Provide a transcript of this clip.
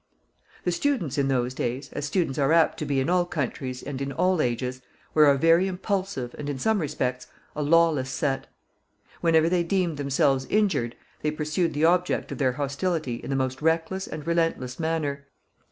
The students in those days, as students are apt to be in all countries and in all ages, were a very impulsive, and, in some respects, a lawless set. Whenever they deemed themselves injured, they pursued the object of their hostility in the most reckless and relentless manner.